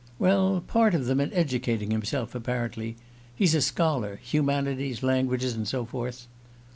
"Well part of them in educating himself, apparently. He's a scholar humanities, languages, and so forth."